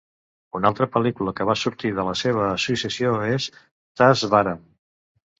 Una altra pel·lícula que va sortir de la seva associació és "Thazhvaram".